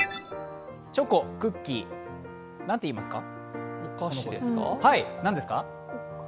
チョコ、クッキー、何て言いますか？